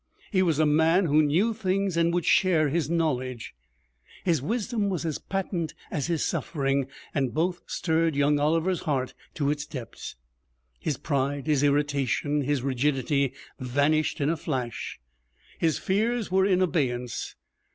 He was a man who knew things and would share his knowledge. His wisdom was as patent as his suffering, and both stirred young Oliver's heart to its depths. His pride, his irritation, his rigidity vanished in a flash. His fears were in abeyance.